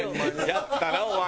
やったなお前。